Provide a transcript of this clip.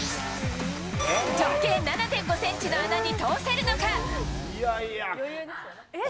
直径７．５センチの穴に通せるのえっ。